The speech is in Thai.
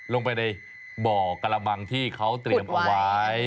ลงไปในบ่อกระมังที่เขาเตรียมเอาไว้